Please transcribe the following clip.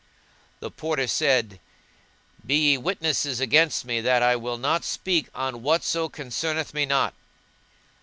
[FN#166] The Porter said, Be ye witnesses against me that I will not speak on whatso concerneth me not."